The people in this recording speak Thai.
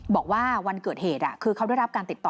บอกว่าวันเกิดเหตุคือเขาได้รับการติดต่อ